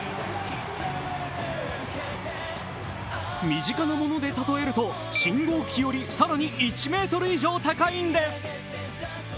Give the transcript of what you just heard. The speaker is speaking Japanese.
身近なもので例えると信号機より更に１ｍ以上高いんです。